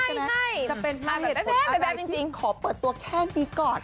ใช่น่าเป็นว่าเหตุักอะไรทีนี้เขาเปิดตัวแค่นี้ก่อน